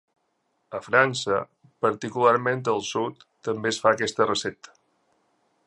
A França, particularment al sud, també es fa aquesta recepta.